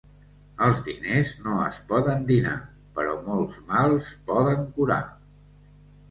Els diners no es poden dinar; però molts mals poden curar.